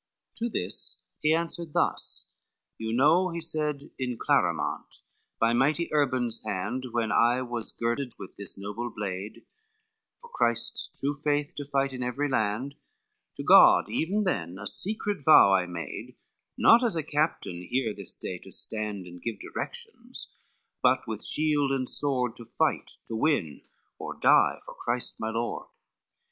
XXIII To this he answered thus, "You know," he said, "In Clarimont by mighty Urban's hand When I was girded with this noble blade, For Christ's true faith to fight in every land, To God even then a secret vow I made, Not as a captain here this day to stand And give directions, but with shield and sword To fight, to win, or die for Christ my Lord.